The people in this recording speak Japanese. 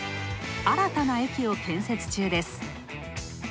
新たな駅を建設中です。